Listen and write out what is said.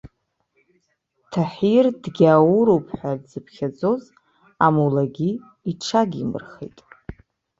Таҳир дгьаауруп ҳәа дзыԥхьаӡоз амулагьы иҽагимырхеит.